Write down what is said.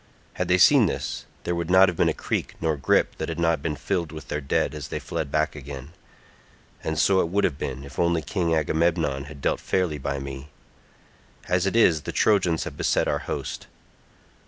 Had they seen this, there would not have been a creek nor grip that had not been filled with their dead as they fled back again. And so it would have been, if only King Agamemnon had dealt fairly by me. As it is the Trojans have beset our host.